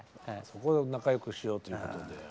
そこで仲よくしようということで